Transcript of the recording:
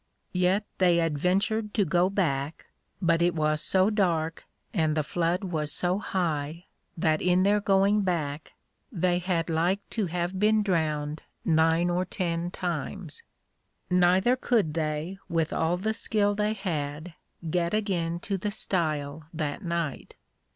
Yet they adventured to go back; but it was so dark, and the flood was so high, that in their going back they had like to have been drowned nine or ten times. Neither could they, with all the skill they had, get again to the Stile that night.